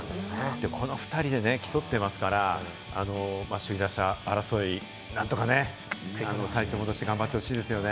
この２人で競ってますから、首位打者争い、何とか体調を戻して頑張ってほしいですよね。